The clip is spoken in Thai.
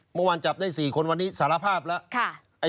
เมื่อวานจับได้๔คนสารภาพละ